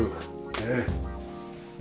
ねえ。